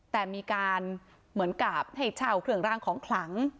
แต่มีการเหมือนกับให้เช่าเครื่องรางของขลัง